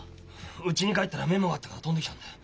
うちに帰ったらメモがあったから飛んできたんだよ。